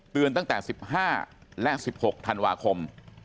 ตั้งแต่๑๕และ๑๖ธันวาคม